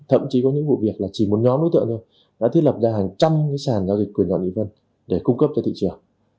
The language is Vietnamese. thậm chí có những vụ việc là chỉ một nhóm đối tượng thôi đã thiết lập ra hàng trăm sàn giao dịch của nhà mỹ vân để cung cấp cho thị trường